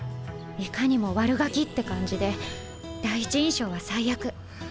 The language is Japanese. いかにも「悪ガキ」って感じで第一印象は最悪。